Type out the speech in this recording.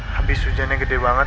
habis hujannya gede banget